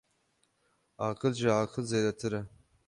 Aqil ji aqil zêdetir e